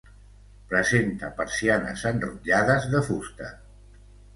Presenta persianes enrotllades de fusta.